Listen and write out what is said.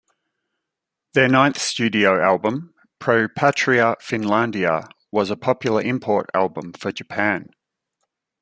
Their ninth studio album, "Pro Patria Finlandia", was a popular import album for Japan.